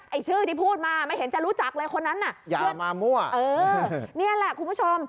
ไอ้ชื่อที่พูดมาไม่เห็นจะรู้จักเลยคนนั้นน่ะอย่ามามั่วเออนี่แหละคุณผู้ชม